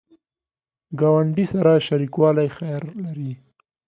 ګاونډي سره شریکوالی خیر لري